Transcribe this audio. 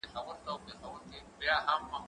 زه بايد مځکي ته وګورم؟!